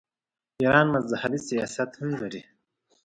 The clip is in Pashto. ایران مذهبي سیاحت هم لري.